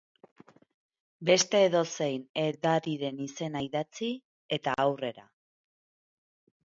Beste edozein edariren izena idatzi, eta aurrera.